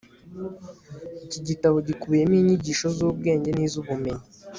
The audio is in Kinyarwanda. iki gitabo gikubiyemo inyigisho z'ubwenge n'iz'ubumenyi